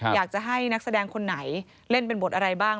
อยากจะให้นักแสดงคนไหนเล่นเป็นบทอะไรบ้าง